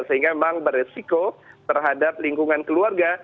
sehingga memang beresiko terhadap lingkungan keluarga